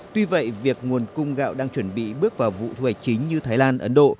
tuy vậy việc nguồn cung gạo đang chuẩn bị bước vào vụ thu hoạch chính như thái lan ấn độ